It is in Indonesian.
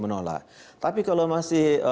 menolak tapi kalau masih